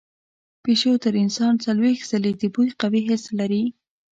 پیشو تر انسان څلوېښت ځله د بوی قوي حس لري.